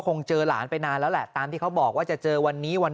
คงเจอหลานไปนานแล้วแหละตามที่เขาบอกว่าจะเจอวันนี้วัน